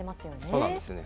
そうなんですよね。